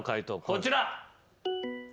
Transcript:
こちら。